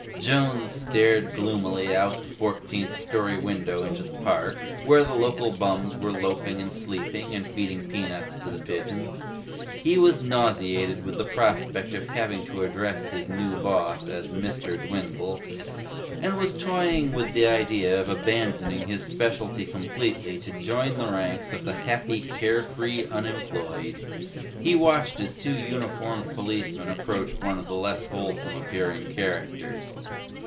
Jones stared gloomily out the fourteenth story window into the park, where the local bums were loafing and sleeping and feeding peanuts to the pigeons. He was nauseated with the prospect of having to address his new boss as "Mr. Dwindle," and was toying with the idea of abandoning his specialty completely to join the ranks of the happy, carefree unemployed. He watched as two uniformed policemen approached one of the less wholesome appearing characters.